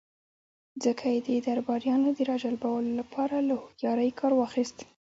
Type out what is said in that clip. ځکه يې د درباريانو د را جلبولو له پاره له هوښياری کار واخيست.